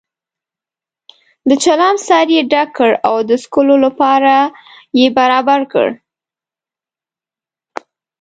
د چلم سر یې ډک کړ او د څکلو لپاره یې برابر کړ.